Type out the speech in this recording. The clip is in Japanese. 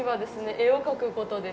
絵を描く事です。